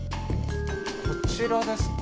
こちらですか？